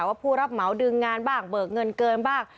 ผู้รับเหมาดึงงานบ้างเบิกเงินเกินบ้าง